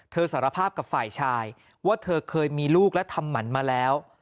สารภาพกับฝ่ายชายว่าเธอเคยมีลูกและทำหมันมาแล้ว